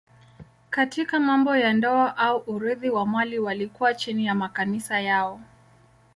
Katika mambo ya ndoa au urithi wa mali walikuwa chini ya makanisa yao.